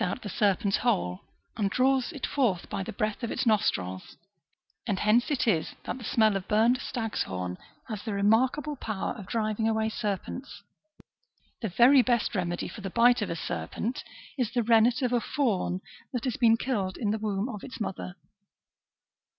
fights with the serpent : it traces out the serpent's hole, and draws it forth by the breath of its nostrils/^ and hence it is that the smell of burnt stags' horn has the remarkable power of driving away serpents. The very best remedy for the bite of a serpent is the rennet of a fawn that has been killed in the womb of its mother.